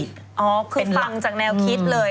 คือฟังจากแนวคิดเลย